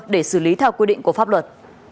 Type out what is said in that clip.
để xử lý theo quy định của pháp luật